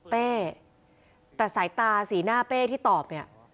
เป้แต่สายตาสีหน้าเป้ที่ตอบเนี่ย